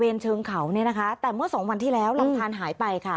เชิงเขาเนี่ยนะคะแต่เมื่อสองวันที่แล้วลำทานหายไปค่ะ